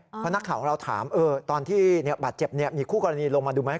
เพราะนักข่าวของเราถามตอนที่บาดเจ็บมีคู่กรณีลงมาดูไหม